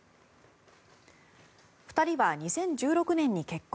２人は２０１６年に結婚。